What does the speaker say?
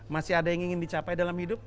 masih ada yang ingin dicapai dalam hidup